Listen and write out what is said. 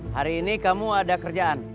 hari ini kamu ada kerjaan